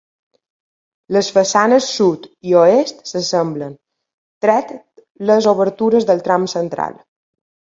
Les façanes Sud i Oest s'assemblen, tret les obertures del tram central.